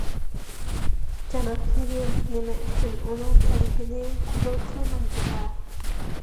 جانابلىرى نېمە ئۈچۈن ئۇنىڭ تەلىپىنى قوبۇل قىلمايدىلا؟